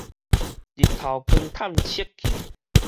日頭光探測器